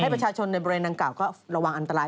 ประชาชนในบริเวณดังกล่าก็ระวังอันตราย